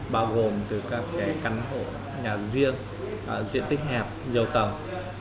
bao gồm từ các căn hộ nhà riêng diện tích hẹp nhiều tầng